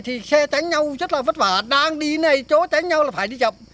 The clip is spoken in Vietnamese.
thì xe tánh nhau rất là vất vả đang đi này chỗ tánh nhau là phải đi chậm